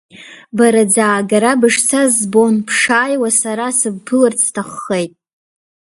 Бара ӡаагара бышцаз збон, бшааиуа сара сыбԥыларц сҭаххеит.